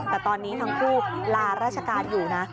แต่ตอนนี้ทั้งคู่ลาราชการอยู่นะ